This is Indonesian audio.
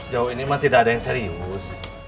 jauh ini memang tidak ada yang serius